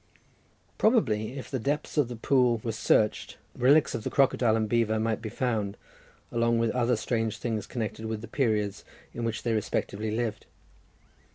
Probably if the depths of that pool were searched, relics of the crocodile and the beaver might be found, along with other strange things connected with the periods in which they respectively lived.